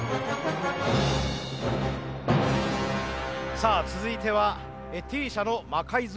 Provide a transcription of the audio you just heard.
さあ続いてはＴ社の魔改造